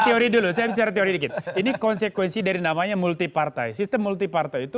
teori dulu saya dicari ini konsekuensi dari namanya multipartai sistem multipartai itu